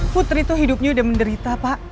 putri itu hidupnya udah menderita pak